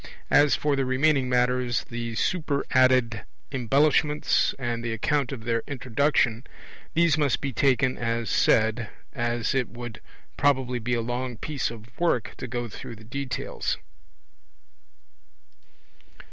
As for the remaining matters, the superadded embellishments and the account of their introduction, these must be taken as said, as it would probably be a long piece of work to go through the details.